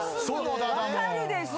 ⁉分かるでしょ！